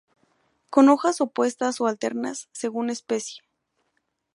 Con hojas opuestas o alternas, según especie.